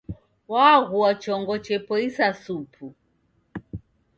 Waghua chongo chepoisa supu.